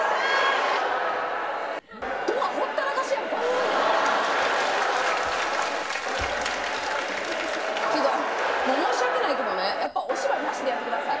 ドアほったらかしやんかちょっと申し訳ないけどねやっぱお芝居なしでやってください